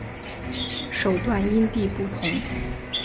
手段因地不同。